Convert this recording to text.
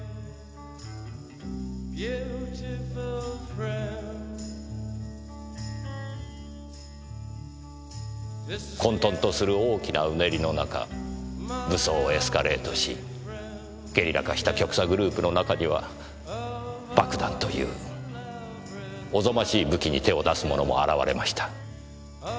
『ＴｈｅＥｎｄ』混沌とする大きなうねりの中武装をエスカレートしゲリラ化した極左グループの中には爆弾というおぞましい武器に手を出す者も現れました。